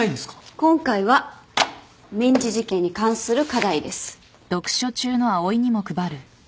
今回は民事事件に関する課題です。